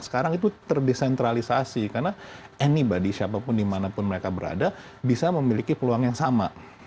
sekarang itu terdesentralisasi karena anybody siapapun dimanapun mereka berada bisa memiliki peluang yang sama